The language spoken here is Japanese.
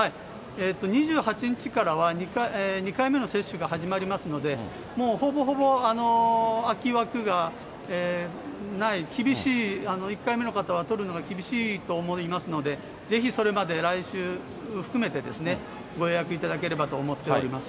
２８日からは２回目の接種が始まりますので、もうほぼほぼ空き枠がない、厳しい、１回目の方は取るのが厳しいと思いますので、ぜひそれまで、来週含めてご予約いただければと思っております。